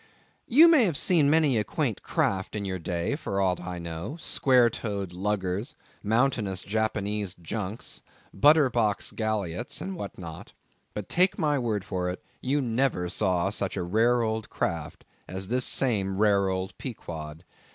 You may have seen many a quaint craft in your day, for aught I know;—square toed luggers; mountainous Japanese junks; butter box galliots, and what not; but take my word for it, you never saw such a rare old craft as this same rare old Pequod.